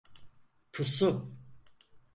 Pusu!